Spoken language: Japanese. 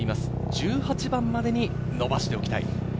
１８番までに伸ばしておきたい。